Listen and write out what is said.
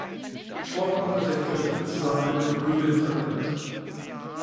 Vorwiegend wird der Begriff in Zusammenhang mit Möbeln verwendet.